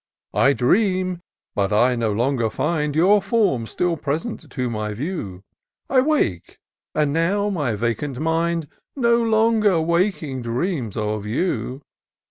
I dream, but I no longer find Your form still present to my view ; I wake, but now my vacant mind No longer, waking, dreams of you.